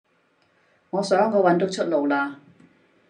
我想我找到出路了